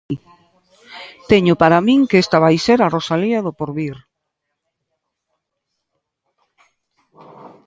Teño para min que esta vai ser a Rosalía do porvir.